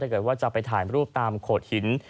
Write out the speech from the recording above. เกิดว่าจะไปถ่ายรูปตามโขดหิน